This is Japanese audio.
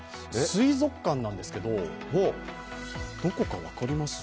水族館なんですけど、どこか分かります？